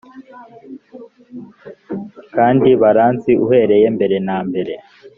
kandi baranzi uhereye mbere na mbere